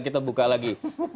kita buka lagi